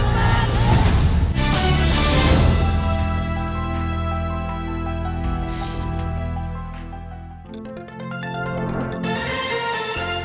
โปรดติดตามตอนต่อไป